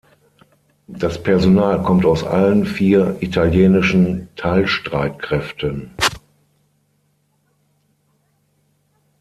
Das Personal kommt aus allen vier italienischen Teilstreitkräften.